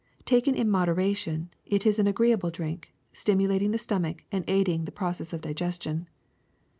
Taken in moderation, it is an agreeable drink, stimulating the stomach and aiding the process of digestion.